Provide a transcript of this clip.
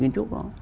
kiến trúc đó